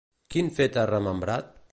Quin fet ha remembrat?